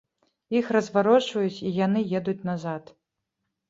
Іх разварочваюць, і яны едуць назад.